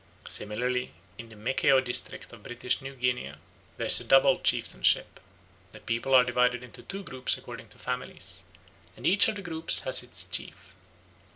Similarly in the Mekeo district of British New Guinea there is a double chieftainship. The people are divided into two groups according to families, and each of the groups has its chief.